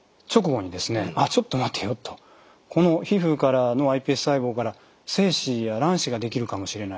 この皮膚からのｉＰＳ細胞から精子や卵子ができるかもしれない。